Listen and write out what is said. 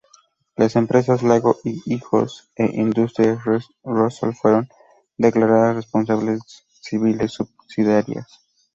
Las empresas Lago y Hijos e Industrias Rosol fueron declaradas responsables civiles subsidiarias.